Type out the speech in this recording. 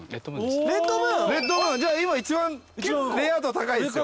・レッドムーンじゃあ今一番レア度高いですよ。